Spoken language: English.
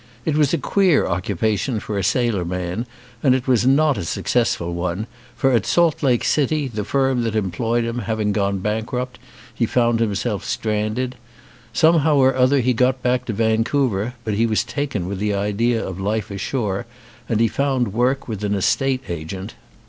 It was a queer occupation for a sailor man, and it was not a suc cessful one, for at Salt Lake City, the firm that employed him having gone bankrupt, he found himself stranded. Somehow or other he got back to Vancouver, but he was taken with the idea of life ashore, and he found work with an estate agent.